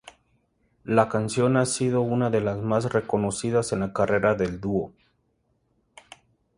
La canción ha sido una de las más reconocidas en la carrera del dúo.